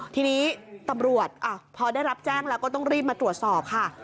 ทีนี้ตำรวจพอได้รับแจ้งแล้วก็ต้องรีบมาตรวจสอบค่ะ